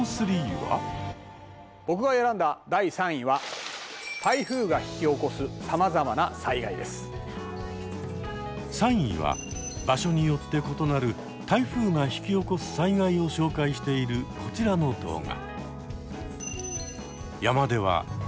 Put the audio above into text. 僕が選んだ第３位は３位は場所によって異なる台風が引き起こす災害を紹介しているこちらの動画。